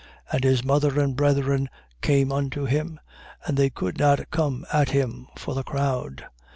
8:19. And his mother and brethren came unto him: and they could not come at him for the crowd.